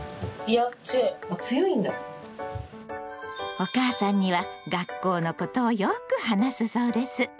お母さんには学校のことをよく話すそうです。